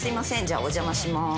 じゃあお邪魔しまーす。